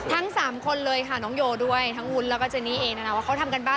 ทั้งสามคนเลยค่ะน้องโยด้วยทั้งวุ้นแล้วก็เจนี่เองนะนะว่าเขาทำการบ้าน